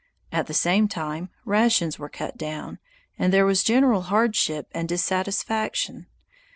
At the same time, rations were cut down, and there was general hardship and dissatisfaction.